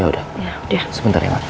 ya udah sebentar ya ma